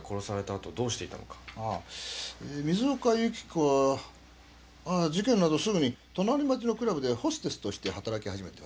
ああ水岡由紀子は事件のあとすぐに隣町のクラブでホステスとして働き始めてますね。